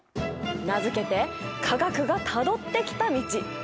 名付けて「化学がたどってきた道」。